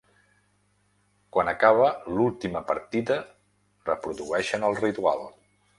Quan acaba l'última partida reprodueixen el ritual.